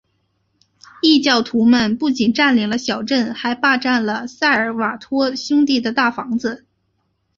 异教徒们不仅占领了小镇还霸占了塞尔瓦托兄弟的大房子。